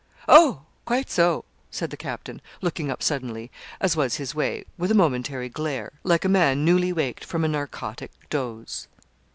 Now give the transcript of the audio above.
'Oh! quite so,' said the captain, looking up suddenly, as was his way, with a momentary glare, like a man newly waked from a narcotic doze.